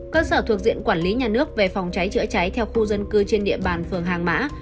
cơ sở thuộc diện quản lý nhà nước về phòng cháy chữa cháy theo khu dân cư trên địa bàn phường hàng mã